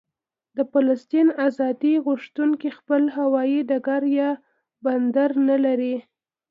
د فلسطین ازادي غوښتونکي خپل هوايي ډګر یا بندر نه لري.